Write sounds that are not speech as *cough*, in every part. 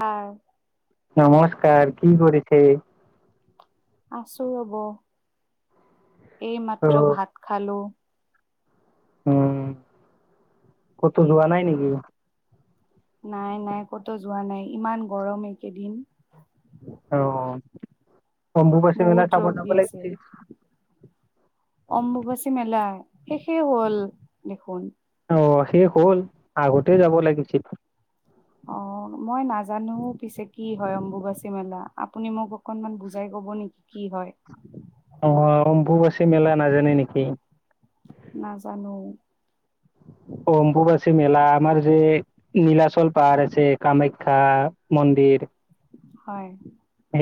অঁ নমস্কাৰ কি কৰিছে? আছো ৰব অ এইমাত্ৰ ভাত খালো। উম ক'তো যোৱা নাই নেকি! নাই নাই ক'তো যোৱা নাই ইমান গৰম এইকেইদিন। অঁ বম্বুবাচী মেলা বহুত চাব ৰ'দ যাব দি আছে লাগিছিল। অম্বুবাচী মেলা শেষেই হ'ল দেখোন। অঁ শেষ হ'ল আগতে যাব লাগিছিল। অঁ মই নাজানো পিছে কি হয় অম্বুবাচী মেলা আপুনি মোক অকনমান বুজাই হব নেকি কি হয়। আহ অম্বুবাচী মেলা নাজানে নেকি নাজানো অম্বুবাচী মেলা আমাৰ যে নীলাচল পাহাৰ আছে কামাখ্যা। শষা মন্দিৰ। হয়।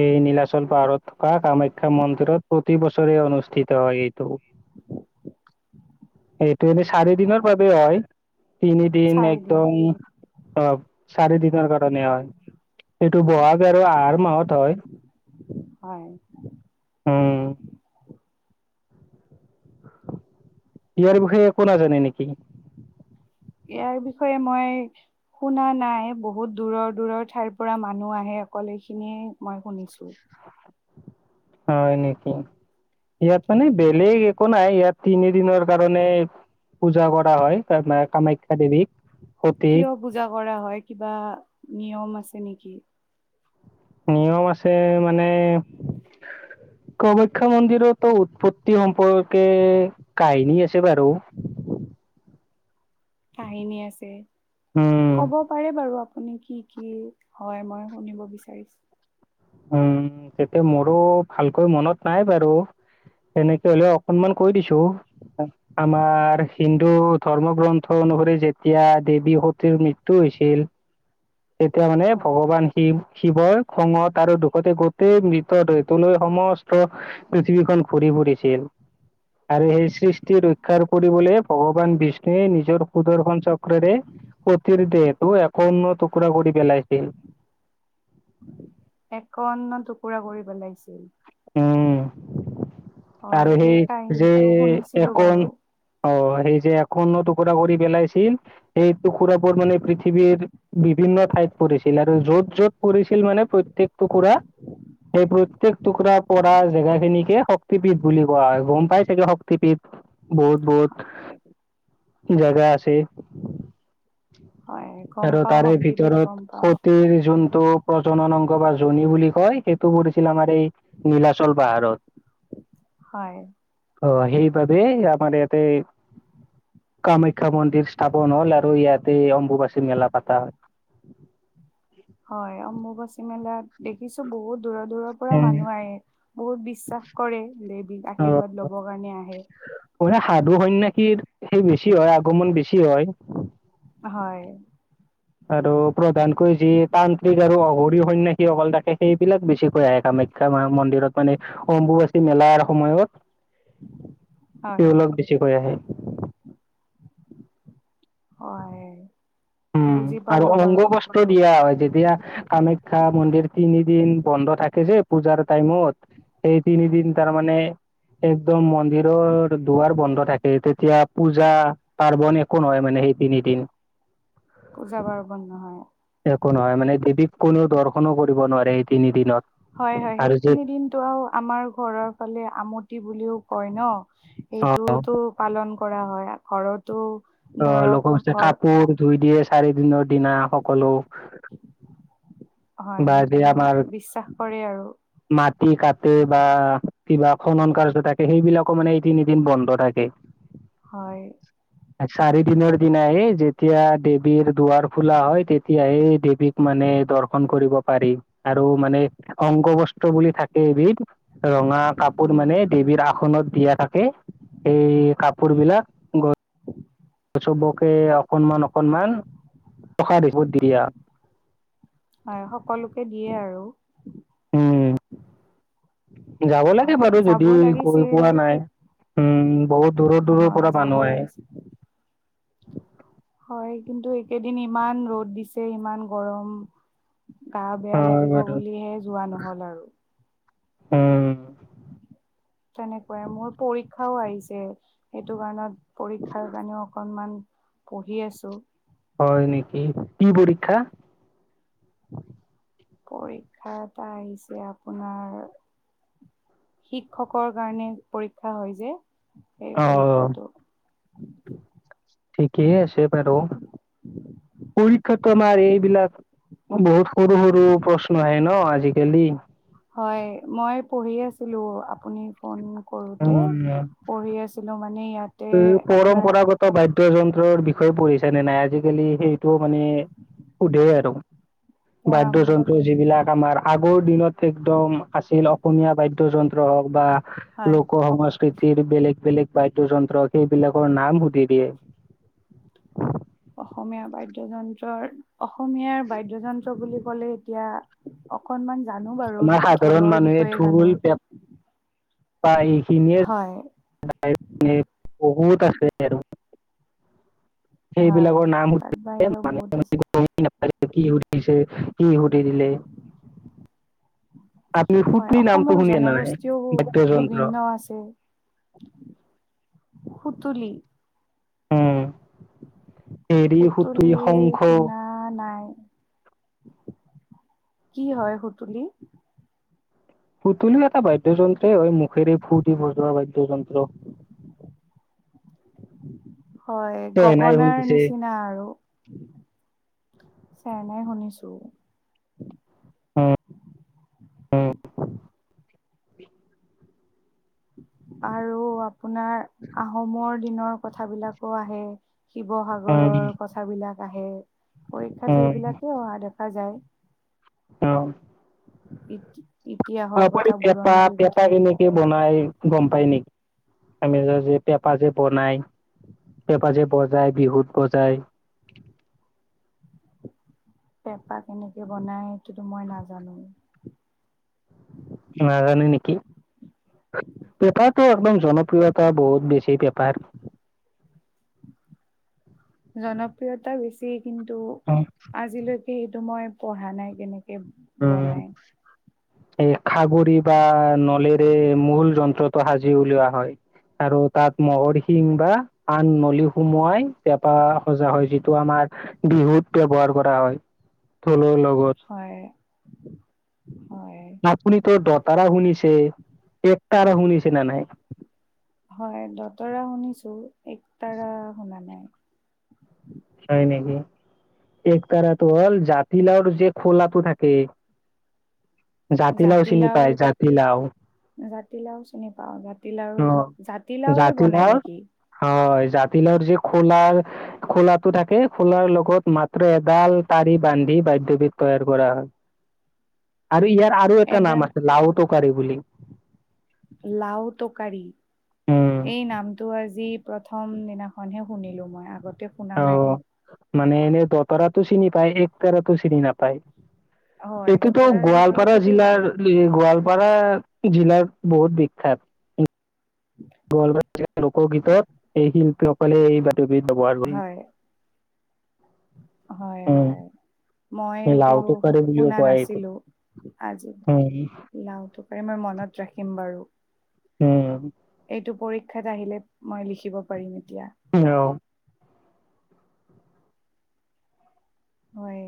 এই নীলাচল পাহাৰত থকা কামাখ্যা মন্দিৰত প্ৰতি বছৰে অনুষ্ঠিত হয় এইটো *inaudible* এইটো এ চাৰি দনৰৰ হয় বাবে হয় তিনি দিন চাৰিদিন একদম অঁ চাৰি দিনৰ কাৰণে হয় সেইটো বহাগ আৰু আহাৰ মাহত হয় হয় উম। ইয়াৰ বিষয়ে একো নাজানে নেকি। ইয়াৰ বিষয়ে মই শুনা নাই বহুত দূৰৰ দূৰৰ ঠাইৰ পৰা মানুহ আহে অকল এইখিনিয়ে মই শুনিছো। অঁ নেকি! ইয়াত মানে বেলেগ একো নাই ইয়াত তিনি দিনৰ কাৰণে। পূজা কৰা হয়। তাৰ কামাখ্যা দেৱীক সতীক কিয় পুজা কৰা হয় কিবা নিয়ম আছে নেকি? নিয়ম আছে মানে কামাখ্যা মন্দিৰতো উৎপত্তি সম্পৰ্কে কাহিনী আছে বাৰু। হয়। *inaudible* কাহিনী আছে উম, কব পাৰে বাৰু আপ পুনি কি কি হয় মই শুনিব বিচাৰিছোঁ? উম তেতিয়া মোৰো ভালকৈ মনত নাই বাৰু। সেনেকে হলে অকনমান কৈ দিছো। আমাৰ হিন্দু ধৰ্ম গ্ৰন্থ অনুসৰি যেতিয়া দেৱী সতীৰ মৃত্যু হৈছিল তেতিয়া মানে হয় ভগৱান শিৱ শিৱই খঙত আৰু দুখতে গোটেই মৃতটোলৈ সমস্ত পৃথিৱীখন ঘূৰি ছিল। আৰু সেই সৃষ্টি ৰক্ষা কৰিবলৈ ভগৱান বিষ্ণুৱে নিজৰ সুদৰ্শন চক্ৰৰে অ দেহেটো এখন টুকুৰা কৰি পেলাইছিল। একাৱন্ন টুকুৰা কৰি পেলাইছিল। উম। হয় আৰু এই সেই যে কাহিনীটো শুনিছিলো একাৱন বাৰু অ সেই যে একাৱন্ন টুকুৰা কৰি পেলাইছিল সেই টুকুৰাবোৰ মানে পৃথিৱীৰ বিভিন্ন ঠাইত ছিল আৰু য'ত য'ত পৰিছিল মানে প্ৰত্যেকটুকুৰা সেই প্ৰত্যেক টুকুৰা পৰা জেগা খিনিকে শক্তিপীঠ বুলি কোৱা হয় গম পাই চাগে শক্তিপীঠ বহুত। বহুত জেগা আছে। হয় গম আৰু পাও তাৰে শক্তিবিধ ভিতৰত গম পাও সতিৰ যোনটো প্ৰজনন অ শ বা জনী বুলি কয় সেইটো পৰিছিল আমাৰ এই নীলাচল পাহাৰত। হয়। অ সেইবাবে আমাৰ ইয়াতে কামাখ্যা মন্দিৰ স্থাপন হ'ল। আৰু ইয়াতে অম্বুবচীৰ মেলা পাতা হয়। হয় অম্বুবাচী মেলাত দেখিছো বহুত। দূৰৰ দূৰৰ পৰা উম, মানুহ আহে বহুত বিশ্বাস কৰে লেবি। অ সাধু হয় নে কি সেই বেছি হয় আগত অমান বেছি হয়। হয়। আৰু প্ৰধানকৈ যি তান্ত্ৰিক আৰু অগৰি সন্যাসীসকল থাকে সেইবিলাক বেছিকৈ আহে কামে। কামাখ্যা মন্দিৰত মানে অম্বুবাচী মেলাৰ সময়ত ই হয় অলপ বেছিকৈ আহে। উম হয় উম বুজি আৰু পালো বাৰু অংগগষ্ট দিয়া হয় যেতিয়া কামাখ্যা মন্দিৰ তিনিদিন বন্ধ থাকে যে পূজাৰ টাইমত এই তিনিদিন তাৰ মমানে একদম মন জিৰ দুবাৰ বন্ধৰ থাকে তেতিয়া পূজা পাৰ্বণ একো নহয় মানে সেই তিনিদিন পূজা পাৰ্বণ একো হয়। নহয় মানে দেৱীক কোনেও দৰ্শনো কৰিব নোৱাৰে এই তিনি দিনত। হয় হয় সেই তিনি দিনটো আৰু আমাৰ ঘৰৰ ফালে আমতি বুলিও কয় ন। অ এইটোতো পালন কৰা হয় ঘৰত- - অ লগৰ কাপোৰ ধুই দিয়ে চাৰি দিনত। দিনা সকলো হয় বা যে সেইটো আমাৰ বিশ্বাস কৰে আৰু। মাটি কাটে বা কিবা খনন কাৰ্য থ সেইবিলাকো মানে এদিন এদিন বন্ধ থাকে হয় চাৰিদিনৰ দিনাই যেতিয়া দেৱীৰ দুৱাৰ খোলা হয়, তেতিয়াহে দেৱীক মানে দৰ্শ ন কৰিব পাৰি আৰু মানে অংগ বস্ত্ৰ বুলি থাকে এবিধ। ৰঙা কাপোৰ উম মানে দেৱীৰ আসনত দিয়া থাকে। সেই কাপোৰ বিলাক চবকে অকনমান অকনমান *unintelligible* মানে সকলোকে দিয়ে আৰু। উম, যাব লাগে হয় বাৰু যাব যদি গৈ লাগিছিল পোৱা নাই। উম বহুত দূৰৰ দূৰৰ হয় পৰা যাব মানুহ আহে। লাগিছিল হয়, কিন্তু এইকেইদিন ইমান ৰ'দ দিছে, ইমান গৰম। গা বেয়া হয় লাগিব বাৰু বুলিহে যোৱা নহল আৰু। উম। তেনেকুৱাই মোৰ পৰীক্ষাও আহিছে। সেইটো কাৰণত পৰীক্ষাৰ কাৰণেও অকণমান পঢ়ি আছো। হয় নেকি? কি পৰীক্ষা? পৰীক্ষা এটা আহিছে আপোনাৰ শিক্ষকৰ কাৰণে পৰীক্ষা হয় যে, সেই অ পৰীক্ষাটো। ঠিক আছে বাৰু, পৰীক্ষা তোমাৰ এইবিলাক বহুত সৰু সৰু প্ৰশ্ন আহে ন আজিকালি? হয়, মই পঢ়ি আছিলো আপুনি ফোন কৰোতে উম পঢ়ি আছিলো মানে। ইয়াতে এই আপোনাৰ পৰম্পৰাগত বাদ্য যন্ত্ৰৰ বিষ বিষয়ে পঢ়িছে নে নাই? আজিকালি সেইটোও মানে সুধে আৰু। পৰম বাদ্য যন্ত্ৰ যিবিলাক আমাৰ আগৰ দিনত একদম আছিল অসমীয়া বাদ্য যন্ত্ৰ হওক বা হয় লোক সংস্কৃতিৰ বেলেগ বেলেগ বা দ্য যন্ত্ৰ সেইবিলাকৰ নাম সুধি দিয়ে। অসমীয়া বাদ্যযন্ত্ৰৰ অসমীয়াৰ বাদ্যযন্ত্ৰ বুলি কলে এতিয়া অকনমান জানো বাৰু। আমাৰ সাধাৰণ ঢোলৰ বিষয়ে জানো। বা এইখিনিয়ে হয় বহুত। *unintelligible* হয় সেইবিলাকৰ নাম *unintelligible* তাত বাহিৰেও বহুত আছে কি *unintelligible* কি হুটি দিলে। আপনি হয় সুটলিৰ নামটো অসমৰ শুনিছে নে নাই জনগোষ্ঠীও বাদ্যযন্ত্ৰ। বিভিন্ন আছে *inaudible* সুতুলি। উম। ঢেঁৰী সুতুলি শংখ শুনা নাই। কি হয় সুতুলি? সুতুলিও এটা বাদ্যযন্ত্ৰই হয়। মুখেৰে ফু দি বজোৱা বাদ্যযন ত। হয়, গগনাৰ নিচিনা আৰু। *inaudible* চেহনাই শুনিছো। হ। *unintelligible* আৰু আপোনাৰ আহোমৰ দিনৰ কথাবিলাকো আহেই। উম শিৱসাগৰৰ কচাৰ বিলাক আহে, পৰীক্ষাত সেইবিলাকে অহা দেখ খা যায়। অ। এইটো অ প পো পেঁপা এইবিলাক কেনেকে বনাই গম পাই নেকি? আমি যে যত পেঁপা যে বনাই। এ পেঁপা যে বজাই বিহুত বজায়। পেঁপা কেনেকে বনায় সেইটোটো মই নাজানো। নাজানে নেকি পেঁপাটো একদম জনপ্ৰিয়তা বহুত বেছি পেঁপাৰ জনপ্ৰিয়তা বেছি কিন্তু আজিলৈকে সেইটো মই পঢ়া নাই কেনেকে। উম বনায়। এই খাগৰি বা নলেৰে মূল যন্ত্ৰটো সাজি উলিওৱা হয়। আৰু তাত মহৰ শিং বা আন নলি সোমোৱাই তপা সজা হয় যিটো আমাৰ। বিহুত ব্যৱহাৰ কৰা হয় থলুৰ লগত। হয় হয় তা শুনিছে এককাৰা শুনিছে ন নাই। হয় দতৰা শুনিছো এক তাৰ শুনা নাই। হয় নেকি। এক তাৰাটো হ'ল জাতিলৰ যে খোলটো থাকে। জাতিলাওঁ চিনি পায় জাতিলাওঁ। জাতিলাওঁ চিনি পাওঁ জাতিলাওঁ জাতিলাওঁৰে বনাই নেকি। জাতিলাও য খোলা খোলাটো থাকে খোলাৰ লগত মাত্ৰ এডাল তাৰি বান্ধি। বাদ্যবিধ তৈয়াৰ কৰা হয় আৰু ইয়। আৰু এটা নাম এডাল আছে লাওটকাৰী বুলি। লাও তকাৰি এই নামটো আজি। প্ৰথম দিনাখনহে শুনিলোঁ মই আগত। অঁ মানে এনে দতৰাতটো চিনি পায় একতৰাটো চিনি নাপায়। হয় এইটোতো দতৰাৰ গোৱালপাৰা, বিষয়েটোতো জানো জিলাৰ গোৱালপাৰা জিলাৰ বহুত বিখ্যাত গল লোকগীতত এই শিল্পীসকলে এই ব্যৱহাৰ। হয় হয় উম, হয়। এই মইটো লাউটো কৰে বুলিও শুনা কয় এইটো। নাছিলো আজি। উম। লাওঁত পাৰি মই মনত ৰাখিম বাৰু উম। এইটো পৰীক্ষাত আহিলে মই লিখিব পাৰিম। এতিয়া আহঁ। হয়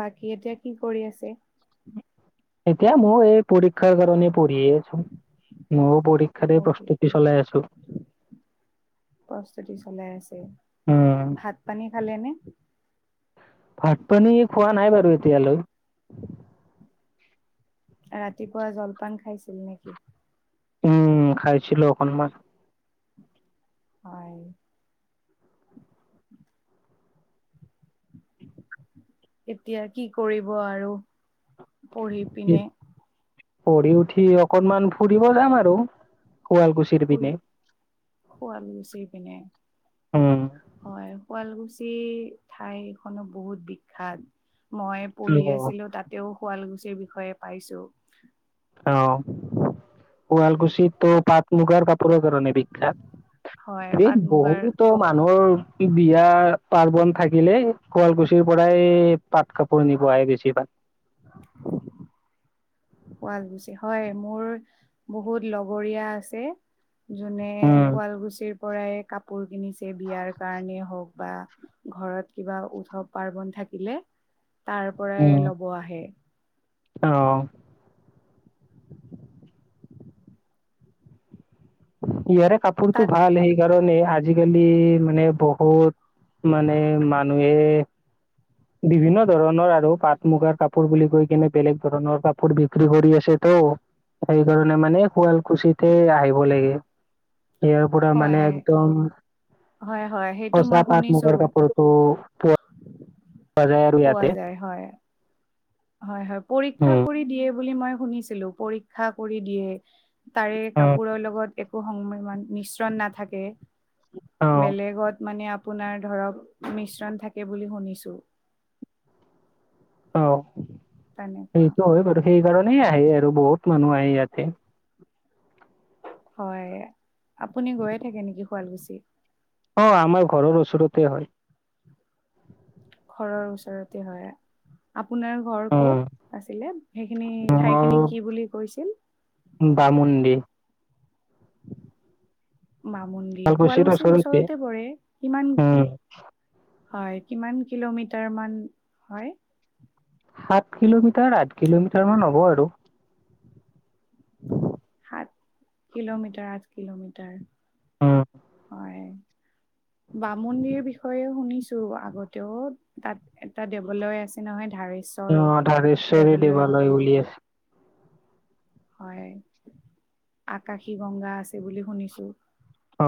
বাকী এতিয়া কি কৰি আছে এতিয়া মই এই পৰীক্ষা কৰিব নি পঢ়িয় আছো মইো পৰীক্ষাতে পঢ়ি প্ৰস্তুতি চলাই আছো। প্ৰস্তুতি চলাই আছে উম। ভাত পানী খালে নে ভাত পানী খোৱা নাই বাৰু এতিয়ালৈ। ৰাতিপুৱা জলপান খাইছিল নেকি! উম খাইছিলো অখন ম হয়। এতিয়া কি কৰিব আৰু পঢ়ি পিনে। পঢ়ি উঠি অকনমান ফুৰিব যাম আৰু শুৱালকুছিৰ ফুৰি পিনে। শুৱাল গুচি পিনে উম। হয় শুৱাল গুচি ঠাইখনো বহুত বিখ্যাত মই পঢ়ি অ', আছিলো তাতেওঁ শুৱালকুছিৰ বিষয়ে পাইছোঁ। অঁ আলকুচিতটো পাঁচ মুগাৰ কাপূৰা কৰ নে! বিখ্যাত হয় বিদ পাট মুগাৰ বহুতো মানুহৰ বিয়া পাৰ্বন থাকিলে শুৱালকুছিৰ পৰাই পাট কাপোৰ নিব আহাই বেছিভাগ *inaudible* শুৱালকুছিৰ হয় মোৰ বহুত লগৰীয়া আছে যোনে উম, শুৱালকুছিৰ পৰাই কাপোৰ কিনিছে বিয়াৰ কাৰণে হওঁক বা ঘৰত কিবা উৎসৱ পাৰ্বন থাকিলে। তাৰ পৰাই লব আহে। আহঁ ইয়াৰে কাপোৰতটো তাত ভাল সেই সেইকাৰণে আজিকালি মানে বহুত মানে মানুহে বিভিন্ন ধৰণৰ আৰু পাট মুগাৰ কাপোৰ বুলি কৈ কিনে বেলেগ ধৰণৰ কাপোৰ বিক্ৰী কৰি আছে। তো তো সেইকাৰণে মানে শুৱালকুছিতে আহিব লাগে। ইয়াৰপৰা মানে হয় একদম হয় হয় সেইটো মই ধছা পাট শুনিছো মুগাৰ কাপোৰটো পোৱা যায় আৰু পোৱা ইয়াতে। যায়, হয়। হয় - হয়, পৰীক্ষা উম, কৰি দিয়ে বুলি মই শুনিছিলোঁ। পৰীক্ষা কৰি দিয়ে। তাৰে উম। কাপোৰৰ লগত একো সংমি- মানে মিশ্ৰণ নাথাকে। অ', বেলেগত মানে আপোনাৰ ধৰক মিশ্ৰণ থাকে বুলি শুনি ছোঁ। অ'। সেইটো হয় বাৰু। সেইকাৰ ণে আহে আৰু, বহুত মানুহ আহে ইয়াতে। হয়। আপুনি গৈয়ে থাকে নেকি শুৱালকুছি? অ' আমাৰ ঘৰৰ ওচৰতে হয়। ঘৰৰ ওচৰতে হয়। আ পোনাৰ ঘৰ ক'ত, অ' আছিলে? সেইখিনি- ঠাইখিনি কি বুলি কৈছিল? বামুণ্ডি। *inaudible* মামুণ্ডি। শুৱালকুছিৰ ওচৰতে পৰে। কিমান উম, হয়? কিমান কিলোমিটাৰ মান হয়? সাত কিলোমিটাৰ - আঠ কিলোমিটাৰমান হ'ব আৰু। ত কিলোমিটাৰ আঠ কিলোমিটাৰ। অ' হয়। বামুণ্ডিৰ বিষয়ে শুনিছোঁ আগতেও। তাত এটা দেৱালয় আছে নহয়, ধাৰেশ্বৰ ধাৰেশ্বৰী দেৱালয় বুলি আছে। হয়, আকাশীগংগা আছে বুলি শুনিছোঁ।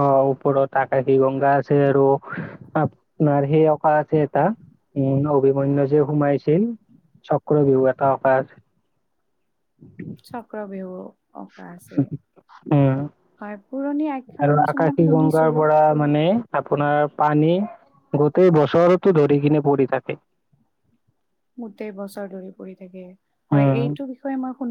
অ' ওপৰত আকাশীগংগা আছে আৰু আপোনাৰ সেই অঁকা আছে এটা উম, অভিমন্যু যে সোমাইছিল, চক্ৰবেহু এটা অঁকা আছে। *unintelligible* চক্ৰবেহু। অঁকা আছে উম। হয় পুৰণি আখ্যান আৰু কিছুমান শুনিছো আকাশীগংগাৰ পৰা মানে আপোনাৰ পানী গোটেই বছৰতৰতো ধৰি কিনে পৰি থাকে। গোটেই বছৰ ধৰি পৰি থাকে। হয়, অঁ এইটো বিষয়ে মই শুনি